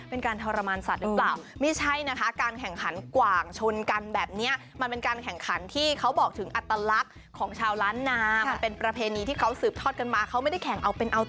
เอออันนี้คุณเหมือนกระทิงไม่เหมือนกว่าง